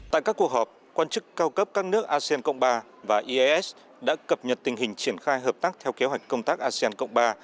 tại các cuộc họp quan chức cao cấp các nước asean cộng ba và eas đã cập nhật tình hình triển khai hợp tác theo kế hoạch công tác asean cộng ba